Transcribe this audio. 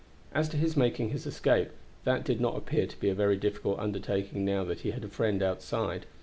As to his making his escape, that did not appear to be a very difficult undertaking now that he had a friend outside.